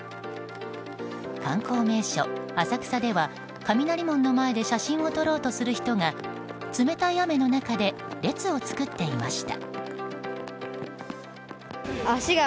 観光名所・浅草では雷門の前で写真を撮ろうとする人が冷たい雨の中で列を作っていました。